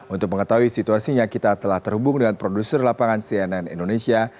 untuk mengetahui situasinya kita telah terhubung dengan produser lapangan cnn indonesia